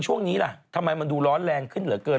ช่วงนี้ล่ะทำไมมันดูร้อนแรงขึ้นเหลือเกิน